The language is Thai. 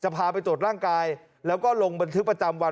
พาไปตรวจร่างกายแล้วก็ลงบันทึกประจำวัน